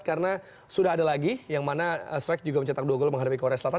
karena sudah ada lagi yang mana strike juga mencetak dua gol menghadapi korea selatan